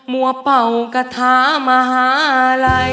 โฮมมัวเป่ากระทะมหาลัย